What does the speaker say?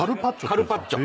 カルパッチョ。